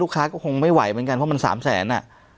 ค้าก็คงไม่ไหวเหมือนกันเพราะมัน๓แสน